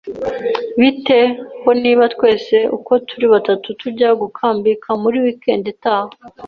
Bite ho niba twese uko turi batatu tujya gukambika muri weekend itaha?